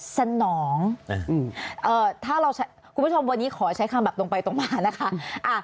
สนองถ้าเราคุณผู้ชมวันนี้ขอใช้คำแบบตรงไปตรงมานะคะ